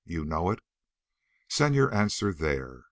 You know it? Send your answer there.